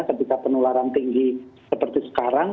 ketika penularan tinggi seperti sekarang